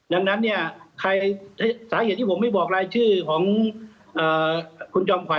ดังนั้นเนี่ยใครสาเหตุที่ผมไม่บอกรายชื่อของคุณจอมขวั